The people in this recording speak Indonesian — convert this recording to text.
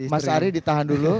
mas ari ditahan dulu